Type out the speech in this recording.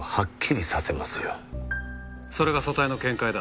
それが組対の見解だ。